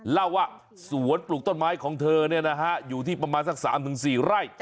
เล่าว่าสวนปลูกต้นไม้ของเธออยู่ที่ประมาณสัก๓๔ไร่